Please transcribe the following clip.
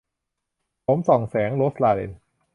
โสมส่องแสง - โรสลาเรน